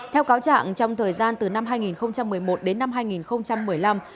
theo cáo trạng trong thời gian từ năm hai nghìn một mươi một đến năm hai nghìn một mươi năm